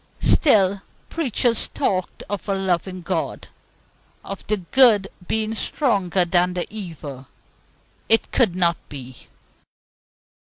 Still preachers talked of a loving God, of the good being stronger than the evil. It could not be.